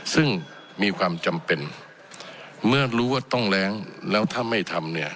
ซึ่งมีความจำเป็นเมื่อรู้ว่าต้องแรงแล้วถ้าไม่ทำเนี่ย